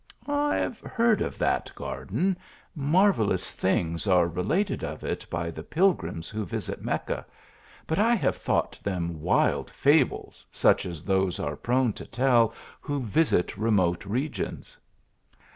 "" I have heard of that garden, marvellous things are related of it by the pilgrims who visit Mecca, but I have thought them wild fables, such as those are prone to tell who visit remote regions."